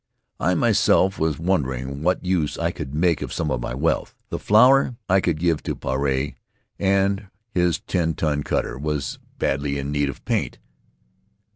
I myself was wondering what use I could make of some of my wealth. The flour I would give to Puarei, and his ten ton cutter was badly in need of paint.